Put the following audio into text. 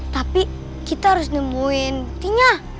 tapi kita harus nemuin tinggal